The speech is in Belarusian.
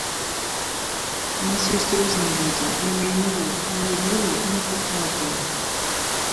У нас ёсць розныя людзі, мы не анёлы, мы не белыя і не пухнатыя.